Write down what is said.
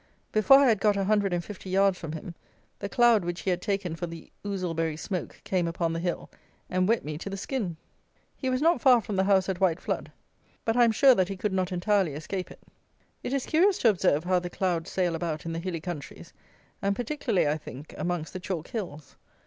Before I had got a hundred and fifty yards from him, the cloud which he had taken for the Ouselberry smoke came upon the hill and wet me to the skin. He was not far from the house at Whiteflood; but I am sure that he could not entirely escape it. It is curious to observe how the clouds sail about in the hilly countries, and particularly, I think, amongst the chalk hills.